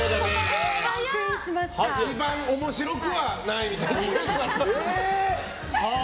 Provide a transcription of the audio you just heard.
１番面白くはないみたいですね。